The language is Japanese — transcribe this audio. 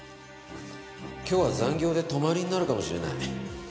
今日は残業で泊まりになるかもしれない。